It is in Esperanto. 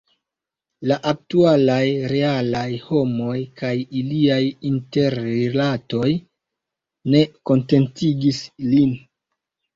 La aktualaj, realaj homoj kaj iliaj interrilatoj ne kontentigis lin.